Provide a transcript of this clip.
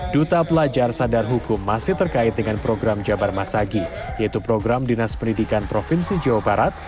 duta pelajar sadar hukum masih terkait dengan program jabar masagi yaitu program dinas pendidikan provinsi jawa barat